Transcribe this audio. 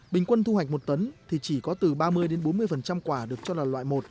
bình quân thu hoạch một tấn thì chỉ có từ ba mươi bốn mươi quả được cho là loại một